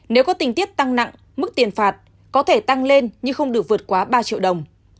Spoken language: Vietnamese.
nếu có tình tiết tăng nặng mức tiền phạt có thể tăng lên nhưng không được vượt quá ba triệu đồng